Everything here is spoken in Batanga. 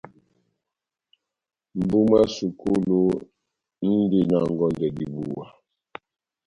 Mʼbu mwá sukulu múndi na ngondɛ dibuwa.